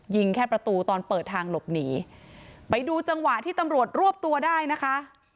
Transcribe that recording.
แค่ประตูตอนเปิดทางหลบหนีไปดูจังหวะที่ตำรวจรวบตัวได้นะคะ